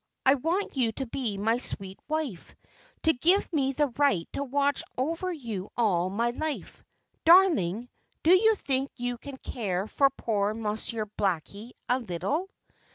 I want you to be my sweet wife, to give me the right to watch over you all my life. Darling, do you think you can care for poor Monsieur Blackie a little?"